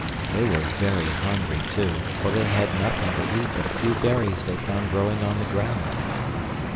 They were very hungry, too, for they had nothing to eat but a few berries they found growing on the ground.